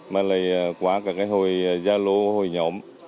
mà lại quá các cái hồi gia lô hồi nhóm